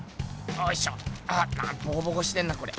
おいしょボコボコしてんなこれ。